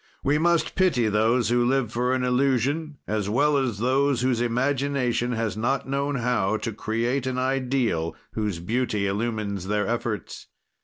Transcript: "We must pity those who live for an illusion as well as those whose imagination has not known how to create an ideal, whose beauty illumines their efforts.